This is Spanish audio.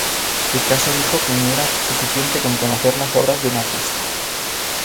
Picasso dijo que “no era suficiente con conocer las obras de un artista.